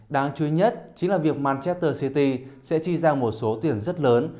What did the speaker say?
đáng chú ý nhất chính là việc mancheer city sẽ chi ra một số tiền rất lớn